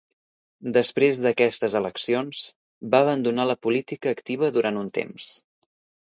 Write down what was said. Després d'aquestes eleccions, va abandonar la política activa durant un temps.